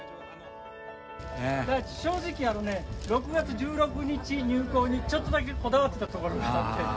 だって正直、６月１６日入港にちょっとだけこだわってたところがあって。